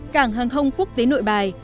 cảng hàng không quốc tế nội bài